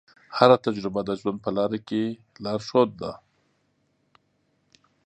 هره تجربه د ژوند په لاره کې لارښود ده.